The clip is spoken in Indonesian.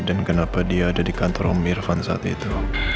dan kenapa dia ada di kantor om irfan saat itu